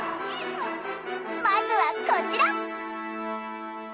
まずはこちら！